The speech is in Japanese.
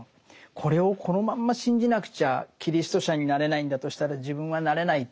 これをこのまんま信じなくちゃキリスト者になれないんだとしたら自分はなれない。